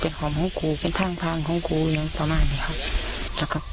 เป็นหอมของกูเป็นพังของกูอย่างนั้นประมาณนี้ครับ